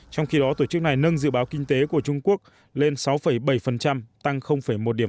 trong khi đó tổ chức này nâng dự báo kinh tế của trung quốc lên sáu bảy tăng một điểm